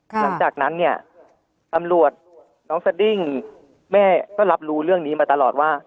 หลังจากนั้นเนี่ยตำรวจน้องสดิ้งแม่ก็รับรู้เรื่องนี้มาตลอดว่า